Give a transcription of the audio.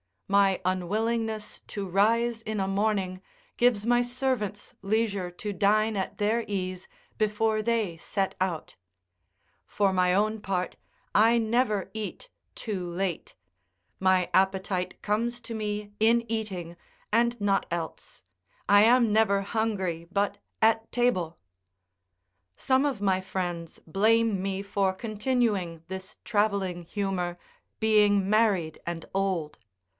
My unwillingness to rise in a morning gives my servants leisure to dine at their ease before they set out; for my own part, I never eat too late; my appetite comes to me in eating, and not else; I am never hungry but at table. Some of my friends blame me for continuing this travelling humour, being married and old.